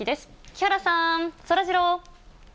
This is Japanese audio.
木原さん、そらジロー。